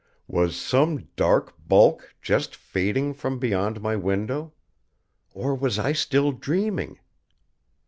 Was some dark bulk just fading from beyond my window? Or was I still dreaming?